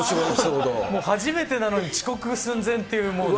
初めてなのに遅刻寸前っていう、もうね。